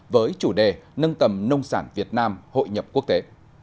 với chủ đề nâng tầm nông sản việt nam hội nhập quốc tế